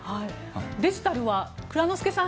デジタルは蔵之介さん